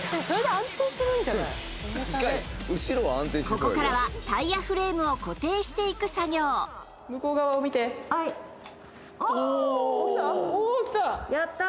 ここからはタイヤフレームを固定していく作業向こう側を見てはいおっきた？